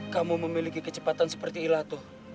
kamu memiliki kecepatan seperti ilato